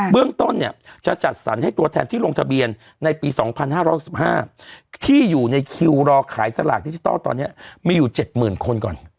เบื้องต้นเนี้ยจะจัดสรรให้ตัวแทนที่ลงทะเบียนในปีสองพันห้าร้อยสิบห้าที่อยู่ในคิวรอขายสลากดิจิทัลตอนเนี้ยมีอยู่เจ็ดหมื่นคนก่อน